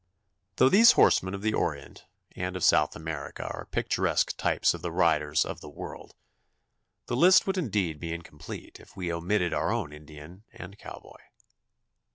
] Though these horsemen of the Orient and of South America are picturesque types of the riders of the world, the list would indeed be incomplete if we omitted our own Indian and cowboy.